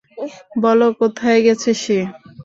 বল কোথায় গেছে সে।